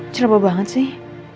cerba banget sih